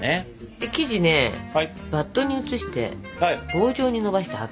で生地ねバットに移して棒状にのばして８等分。